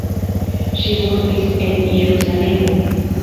Ŝi mortis en Jerusalemo.